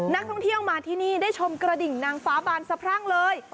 นักท่องเที่ยวมาที่นี่ได้ชมกระดิ่งนางฟ้าบานสะพรั่งเลย